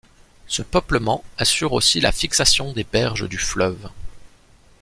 Ce peuplement assure aussi la fixation des berges du fleuve.